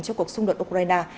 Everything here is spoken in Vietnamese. cho cuộc xung đột ukraine